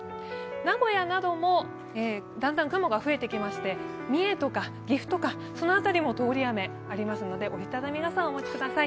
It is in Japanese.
名古屋などもだんだん雲が増えてきまして三重とか岐阜の辺りも通り雨がありますので、折り畳み傘をお持ちください。